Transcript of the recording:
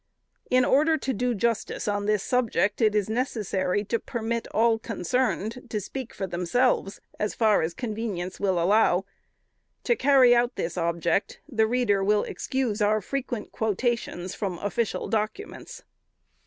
In order to do justice on this subject, it is necessary to permit all concerned to speak for themselves, so far as convenience will allow. To carry out this object, the reader will excuse our frequent quotations from official documents.